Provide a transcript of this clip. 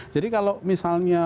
jadi kalau misalnya